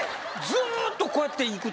ずっとこうやっていく？